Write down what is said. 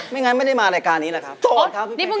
ไม่งั้นไม่ได้มารายการนี้แหละครับโทษครับพี่แป๊ก